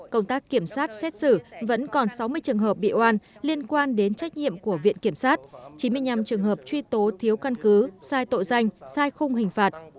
công tác kiểm sát xét xử vẫn còn sáu mươi trường hợp bị oan liên quan đến trách nhiệm của viện kiểm sát chín mươi năm trường hợp truy tố thiếu căn cứ sai tội danh sai khung hình phạt